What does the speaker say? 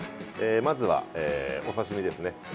まずは、お刺身ですね。